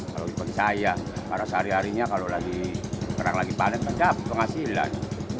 kalau ikut saya karena sehari harinya kalau lagi kerang lagi panen kan dapat penghasilan